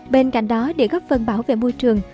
bên cạnh đó để góp phần bảo vệ môi trường